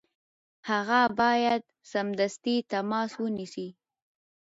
هغه باید سمدستي تماس ونیسي.